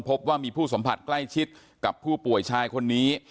พบว่ามีผู้สัมผัสใกล้ชิดกับผู้ป่วยชายคนนี้